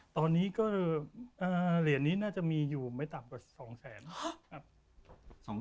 ตอนนี้ก็เหรียญนี้น่าจะมีอยู่ไม่ต่ำกว่า๒แสนครับ